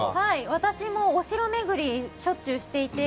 私もお城巡りしょっちゅうしていて。